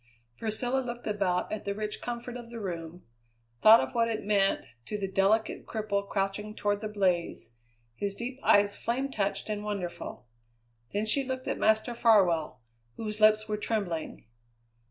Priscilla looked about at the rich comfort of the room, thought of what it meant to the delicate cripple crouching toward the blaze, his deep eyes flame touched and wonderful. Then she looked at Master Farwell, whose lips were trembling.